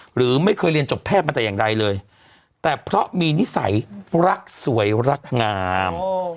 หรือไม่เคยเรียนจบแพทย์มาแต่อย่างใดเลยแต่เพราะมีนิสัยรักสวยรักงาม